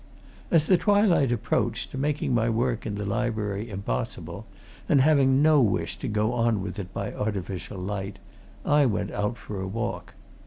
As the twilight approached, making my work in the library impossible, and having no wish to go on with it by artificial light, I went out for a walk.